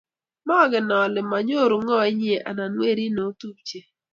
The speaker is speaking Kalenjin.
maken ale mayoru ng'o inyee anan werit neo tupche